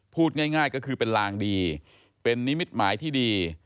พูดง่ายก็คือเป็นลางดีเป็นนิมิตหมายที่ดี